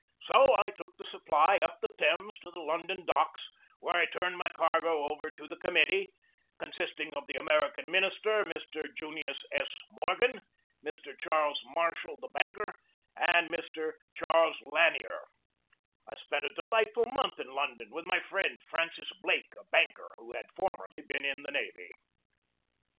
So I took the Supply up the Thames to the London docks, where I turned my cargo over to the committee, consisting of the American minister, Mr. Junius S. Morgan, Mr. Charles Marshall, the banker, and Mr. Charles Lanier. I spent a delightful month in London with my friend Francis Blake, a banker, who had formerly been in the navy.